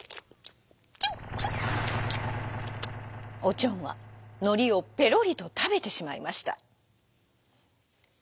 おちょんはのりをぺろりとたべてしまいました。